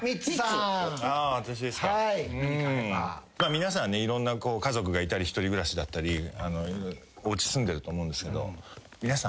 皆さんいろんな家族がいたり１人暮らしだったりおうち住んでると思うんですけど皆さん。